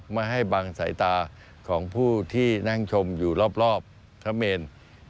ไม่ให้บังสายตาของผู้ที่นั่งชมอยู่รอบพระเมน